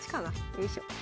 よいしょ。